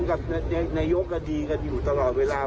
กับนายกก็ดีกันอยู่ตลอดเวลา